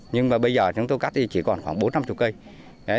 nhưng bây giờ chúng tôi cắt thì chỉ còn khoảng bốn trăm linh